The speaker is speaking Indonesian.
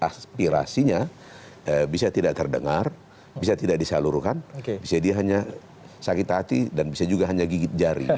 aspirasinya bisa tidak terdengar bisa tidak disalurkan bisa dia hanya sakit hati dan bisa juga hanya gigit jari